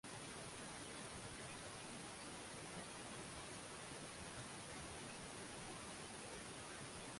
Robert Nesta Maarufu kama Bob Marley ni unaweza kusema nia muanzilishi